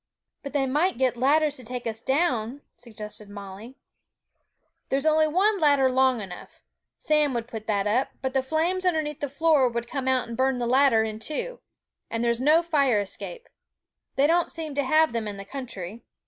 'But they might get ladders to take us down,' suggested Molly. 'There's only one ladder long enough. Sam would put that up, but the flames underneath the floor would come out and burn the ladder in two; and there's no fire escape! They don't seem to have them in the country.